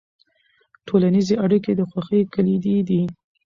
ټولنیزې اړیکې د خوښۍ کلیدي دي.